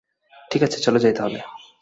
ঠিক আছে, চলো যাই তাহলে।